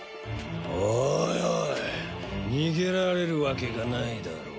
おいおい逃げられるわけがないだろう。